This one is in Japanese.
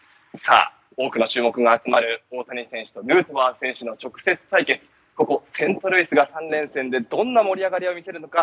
多くの注目が集まる大谷選手とヌートバー選手の直接対決、セントルイスが３連戦でどんな盛り上がりを見せるのか